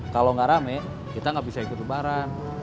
kalau nggak rame kita nggak bisa ikut lebaran